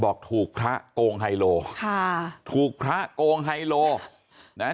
บอกถูกพระโกงไฮโลค่ะถูกพระโกงไฮโลนะฮะ